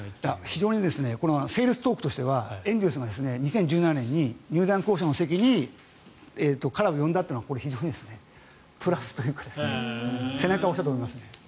非常にセールストークとしてはエンゼルスは２０１７年に入団交渉の席に彼を呼んだというのは非常にプラスというか背中を押したと思います。